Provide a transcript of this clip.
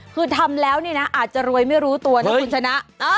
คือทำแล้วเนี่ยนะอาจจะรวยไม่รู้ตัวนะคุณชนะ